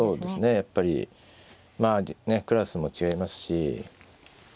やっぱりまあクラスも違いますし。